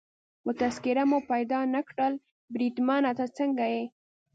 خو تذکیره مو پیدا نه کړل، بریدمنه ته څنګه یې؟